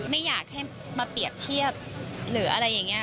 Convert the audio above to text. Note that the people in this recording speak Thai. ไม่อยากให้มาเปรียบเทียบหรืออะไรอย่างนี้